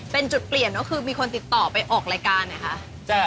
เป็นจุดเปลี่ยนก็คือมีคนติดต่อไปออกรายการนะคะ